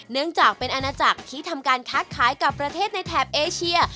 เนื่องจากเป็นอาณาจักรที่ทำการค้าขายกับประเทศในแถบเอเชีย